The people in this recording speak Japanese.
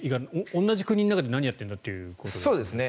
同じ国の中で何やってるんだということになりますよね。